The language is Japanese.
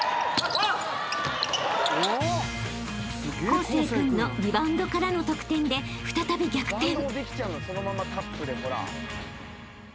［康成君のリバウンドからの得点で再び逆転］